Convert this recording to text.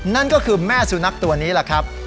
นั่นก็คือแม่สุนัขตัวนี้แหละครับ